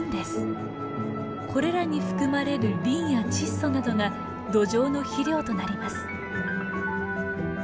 これらに含まれるリンや窒素などが土壌の肥料となります。